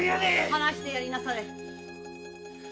放してやりなされ。